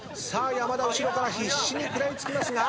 山田後ろから必死に食らいつきますが。